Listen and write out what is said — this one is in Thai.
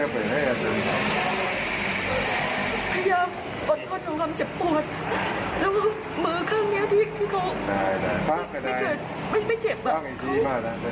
พี่หลองแบบตามสตินะครับ